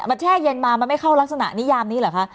มันแช่เย็นมามันไม่เข้ารักษณะนิยามนี้เหรอคะ